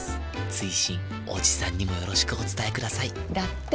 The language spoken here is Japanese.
追伸おじさんにもよろしくお伝えくださいだって。